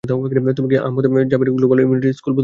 তুমি কি Ahmed Jajir global unity school বলতে চাচ্ছ?